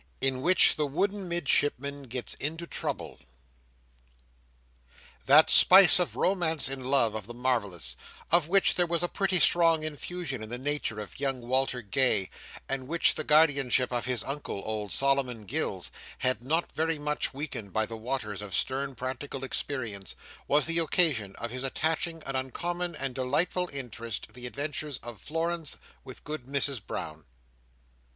In which the Wooden Midshipman gets into Trouble That spice of romance and love of the marvellous, of which there was a pretty strong infusion in the nature of young Walter Gay, and which the guardianship of his Uncle, old Solomon Gills, had not very much weakened by the waters of stern practical experience, was the occasion of his attaching an uncommon and delightful interest to the adventure of Florence with Good Mrs Brown.